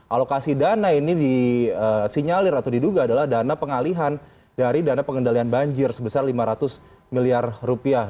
alokasi dana ini disinyalir atau diduga adalah dana pengalihan dari dana pengendalian banjir sebesar lima ratus miliar rupiah